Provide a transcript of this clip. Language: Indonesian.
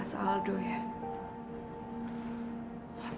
aku kangen banget sama kamu